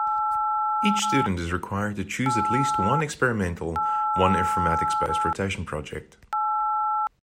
Each student is required to choose at least one experimental one informatics-based rotation project.